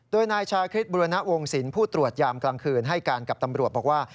โดยนายชาคริสบุรณวงศิลป์ผู้ตรวจยามกลางคืนให้การกับตำรวจบอกว่า